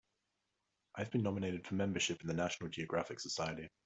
I've been nominated for membership in the National Geographic Society.